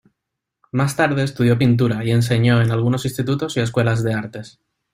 Más tarde estudió pintura y enseñó en algunos institutos y escuelas de artes.